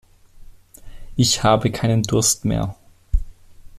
Ich habe keinen Durst mehr.